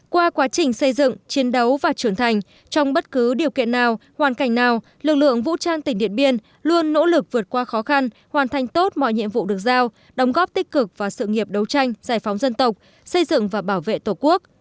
qua quá trình xây dựng chiến đấu và trưởng thành trong bất cứ điều kiện nào hoàn cảnh nào lực lượng vũ trang tỉnh điện biên luôn nỗ lực vượt qua khó khăn hoàn thành tốt mọi nhiệm vụ được giao đóng góp tích cực vào sự nghiệp đấu tranh giải phóng dân tộc xây dựng và bảo vệ tổ quốc